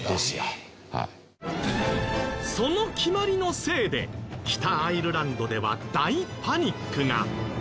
その決まりのせいで北アイルランドでは大パニックが。